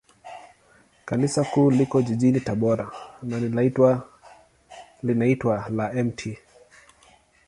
Kanisa Kuu liko jijini Tabora, na linaitwa la Mt.